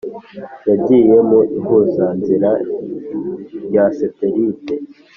yagize mu ihuzanzira rya satellite